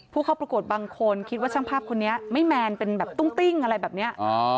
ผู้เข้าประกวดบางคนคิดว่าช่างภาพคนนี้ไม่แมนเป็นแบบตุ้งติ้งอะไรแบบนี้